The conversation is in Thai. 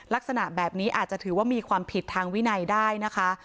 ลักษณะแบบนี้อาจจะถือว่ามีความผิดทางวินัยได้นะคะ